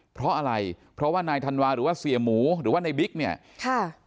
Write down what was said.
เพราะอะไรเพราะว่านายธันวาหรือว่าเสียหมูหรือว่าในบิ๊กเนี่ยค่ะ